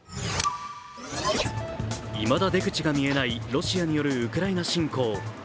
いまだ出口が見えないロシアによるウクライナ侵攻。